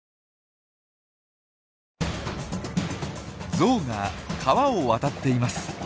ゾウが川を渡っています。